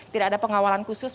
tidak ada pengawalan khusus